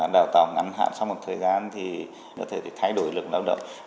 đào tạo ngắn hạn sau một thời gian thì có thể thay đổi lực lao động